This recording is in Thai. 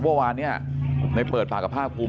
เมื่อวานนี้ในเปิดปากกับพ่อคุม